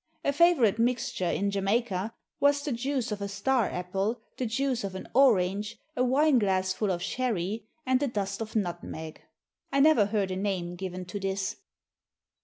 A favourite mixture in Jamaica was the juice of a "star" apple, the juice of an orange, a wine glassful of sherry, and a dust of nutmeg. I never heard a name given to this.